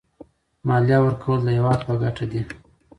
مالیه ورکول د هېواد په ګټه دي.